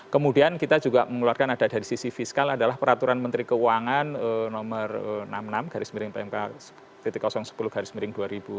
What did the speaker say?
kemudian kita juga mengeluarkan ada dari sisi fiskal adalah peraturan menteri keuangan nomor enam puluh enam garis miring pmk sepuluh garis miring dua ribu dua puluh